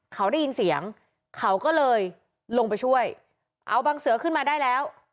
เขาได้ยินเสียงเขาก็เลยลงไปช่วยเอาบังเสือขึ้นมาได้แล้ว